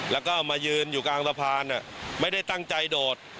แล้วก็มายืนอยู่กลางสะพานไม่ได้ตั้งใจโดด